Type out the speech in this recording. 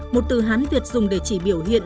một từ hán việt dùng để chỉ biểu hiện